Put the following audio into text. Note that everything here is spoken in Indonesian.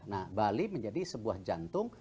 nah bali menjadi sebuah jantung